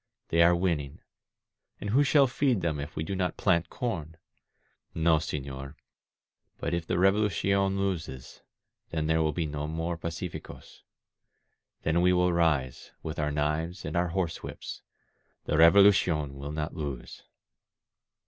They are winning. And who shall feed them if we do not plant corn? No, senor. But if the Revolucion loses, then there will be no more pacificoi. Then we will rise, with our knives and our horsewhips. ••• The Revolucion will not lose.